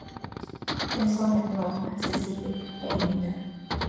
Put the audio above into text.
Elles sont maintenant accessibles en ligne.